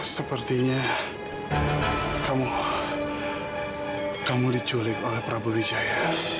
sepertinya kamu kamu diculik oleh prabu wijaya